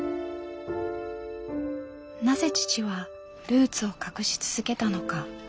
なぜ父はルーツを隠し続けたのか。